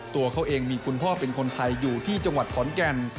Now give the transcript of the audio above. ตัวเขาเองมีคุณพ่อเป็นคนไทยอยู่ที่จังหวัดขอนแก่น